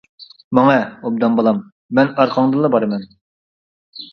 -ماڭە، ئوبدان بالام، مەن ئارقاڭدىنلا بارىمەن.